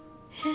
えっ？